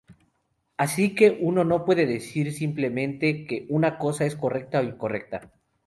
Así que uno no puede decir simplemente que una cosa es correcta o incorrecta.